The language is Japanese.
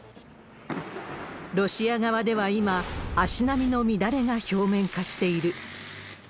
ロシア側では今、足並みの乱れが表面化している。